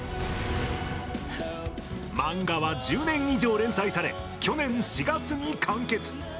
漫画は１０年以上連載され去年４月に完結。